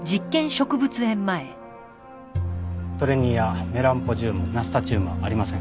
トレニアメランポジュームナスタチュームはありません。